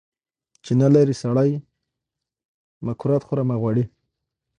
چی نلرې سړي ، مه کورت خوره مه غوړي .